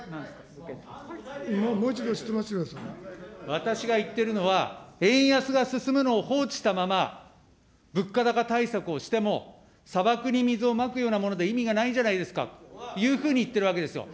私が言ってるのは、円安が進むのを放置したまま、物価高対策をしても、砂漠に水をまくようなもので意味がないんじゃないんですかというふうに言ってるわけですよ。